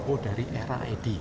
oh dari era edi